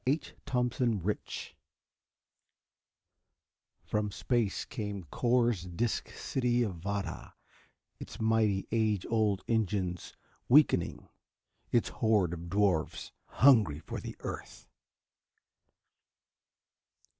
] [Sidenote: From Space came Cor's disc city of Vada its mighty, age old engines weakening its horde of dwarfs hungry for the Earth!